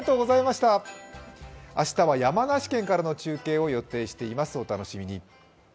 明日は山梨県からの中継を予定しています、お楽しみに！